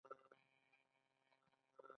آیا ځمکه د سرو زرو کان نه دی؟